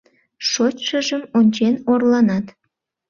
Шочшыжым ончен орланат.